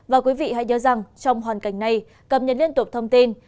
và quý vị hãy nhớ rằng trong hoàn cảnh này cập nhật liên tục thông tin